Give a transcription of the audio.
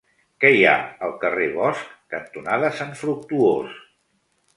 Què hi ha al carrer Bosch cantonada Sant Fructuós?